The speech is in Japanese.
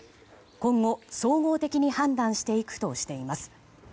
今後、総合的に判断していくとしています。